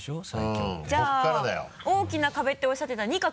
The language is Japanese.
じゃあ大きな壁っておっしゃってた２画。